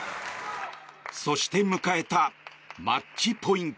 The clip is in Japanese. そして迎えたマッチポイント。